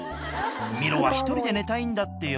ミロは１人で寝たいんだってよ。